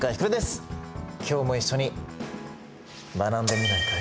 今日も一緒に学んでみないかい？